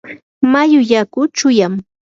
mayu yaku chuyam.